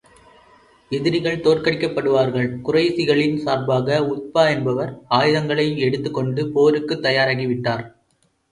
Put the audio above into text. எதிரிகள் தோற்கடிக்கப்படுவார்கள் குறைஷிகளின் சார்பாக உத்பா என்பவர் ஆயுதங்களை எடுத்துக் கொண்டு போருக்குத் தயாராகி விட்டார்.